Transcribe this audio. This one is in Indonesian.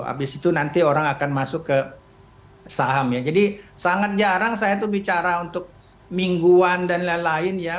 habis itu nanti orang akan masuk ke saham ya jadi sangat jarang saya tuh bicara untuk mingguan dan lain lain ya